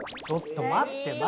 ちょっと待って。